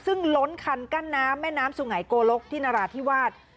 ซึ่งล้นคันกั้นน้ำแม่น้ำสุงัยโกลกที่นราธิวาส